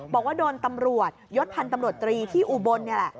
บอกว่าโดนตำรวจยศพันธ์ตำรวจตรีที่อุบลนี่แหละ